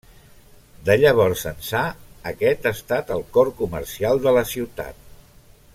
De llavors ençà, aquest ha estat el cor comercial de la ciutat.